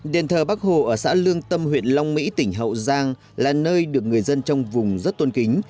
đền thờ bắc hồ ở xã lương tâm huyện long mỹ tỉnh hậu giang là nơi được người dân trong vùng rất tôn kính